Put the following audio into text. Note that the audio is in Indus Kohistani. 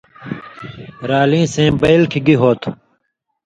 رالیں سَیں بَیل کھیں گی ہو تُھو“۔